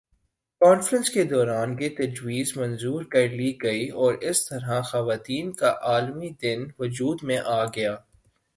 conference کے دوران یہ تجویز منظور کر لی گئی اور اس طرح خواتین کا عالمی دن وجود میں آگیا